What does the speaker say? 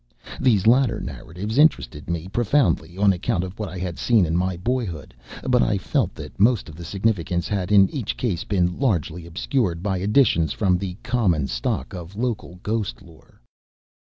These latter narratives interested me profoundly, on account of what I had seen in my boyhood, but I felt that most of the significance had in each case been largely obscured by additions from the common stock of local ghost lore.